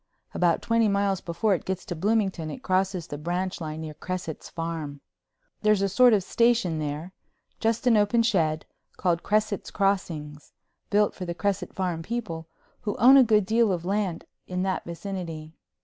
About twenty miles before it gets to Bloomington it crosses the branch line near Cresset's Farm. There's a little sort of station there—just an open shed—called Cresset's Crossing, built for the Cresset Farm people, who own a good deal of land in that vicinity.